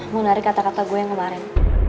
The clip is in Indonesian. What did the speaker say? menarik kata kata gue yang kemarin